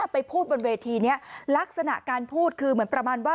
ไปพูดบนเวทีนี้ลักษณะการพูดคือเหมือนประมาณว่า